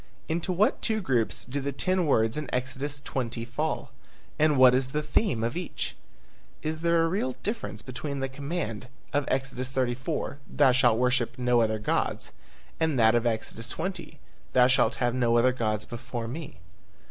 Into what two groups do the ten words in Exodus 20 fall? And what is the theme of each? Is there a real difference between the command of Exodus 34, "Thou shalt worship no other gods" and that of Exodus 20, "Thou shall have no other gods before me"?